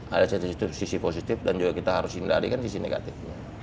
ada sisi positif dan juga kita harus hindari kan sisi negatifnya